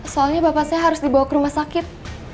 soalnya bapak saya harus dibawa ke rumah sakit